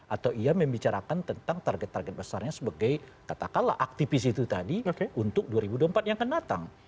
atau ia membicarakan tentang target target besarnya sebagai katakanlah aktivis itu tadi untuk dua ribu dua puluh empat yang akan datang